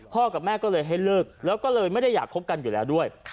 กับแม่ก็เลยให้เลิกแล้วก็เลยไม่ได้อยากคบกันอยู่แล้วด้วย